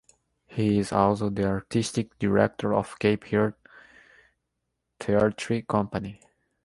He is also the Artistic Director of Cape Heart Theatre Company.